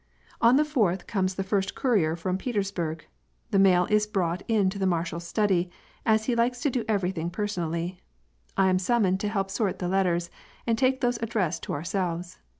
On the fourth comes t^e nrst courier from Petersburg. The mail is brought into the roarsbal's nQdy, as he likes to do everything personally. I am summoned to help sort the letters and take those addressed to our selves.